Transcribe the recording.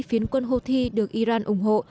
phiến quân houthi được iran ủng hộ